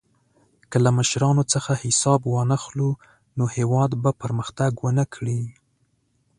که له مشرانو څخه حساب وانخلو، نو هېواد به پرمختګ ونه کړي.